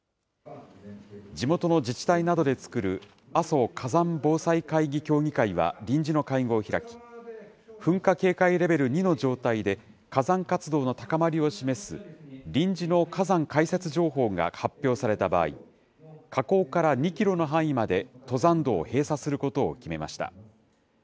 地元の自治体などで作る阿蘇火山防災会議協議会は、臨時の会合を開き、噴火警戒レベル２の状態で、火山活動の高まりを示す、臨時の火山解説情報が発表された場合、火口から２キロの範囲まで、登山道を閉鎖することを決めました。